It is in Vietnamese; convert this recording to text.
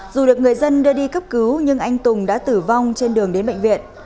dù được người dân đưa đi cấp cứu nhưng anh tùng đã tử vong trên đường đến bệnh viện